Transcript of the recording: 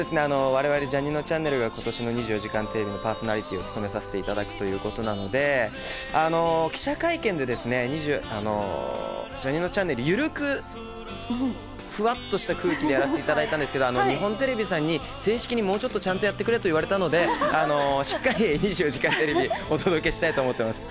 われわれ、ジャにのちゃんねるがことしの２４時間テレビのパーソナリティーを務めさせていただくということなので、記者会見で、ジャにのちゃんねる、緩く、ふわっとした空気でやらせていただいたんですけれども、日本テレビさんに、正式にもうちょっとちゃんとやってくれと言われたので、しっかり２４時間テレビ、お届けしたいと思います。